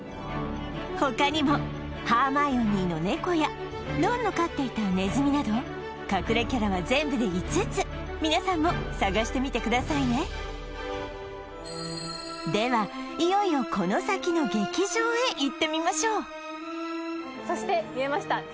他にもハーマイオニーの猫やロンの飼っていたネズミなど隠れキャラは全部で５つ皆さんも探してみてくださいねではいよいよこの先の劇場へ行ってみましょうそして見えました